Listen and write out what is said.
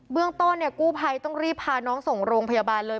เรื่องต้นเนี่ยกู้ภัยต้องรีบพาน้องส่งโรงพยาบาลเลย